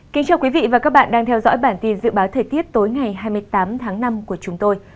cảm ơn các bạn đã theo dõi và ủng hộ cho bản tin dự báo thời tiết tối ngày hai mươi tám tháng năm của chúng tôi